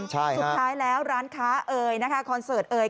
สุดท้ายแล้วร้านค้าเอ่ยนะคะคอนเสิร์ตเอย